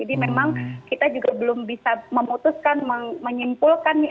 jadi memang kita juga belum bisa memutuskan menyimpulkan nih